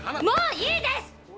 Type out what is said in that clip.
もういいです！